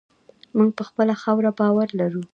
موږ په خپله خاوره باور لرو.